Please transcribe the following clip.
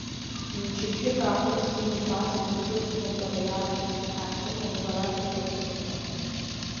Мчыбжьык аахыс иимбацыз, ҿыц аныҟәара иалагаз иԥҳа Хьыма лбара дахыццакуан.